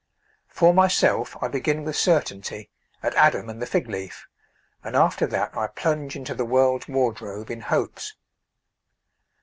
For myself, I begin with certainty at Adam and the fig leaf, and after that I plunge into the world's wardrobe in hopes.